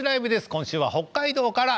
今週は北海道から。